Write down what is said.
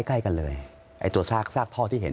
อ๋อใกล้กันเลยไอตัวซากท่อที่เห็น